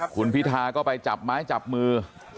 คุณพิธาก็ไปจับไม้จับมือ